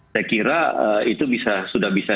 saya kira itu sudah bisa